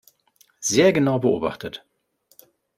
Sehr genau beobachtet.